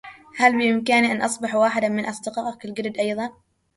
هل بإمكاني أن أصبح واحدا من أصدقائك الجدد أيضا؟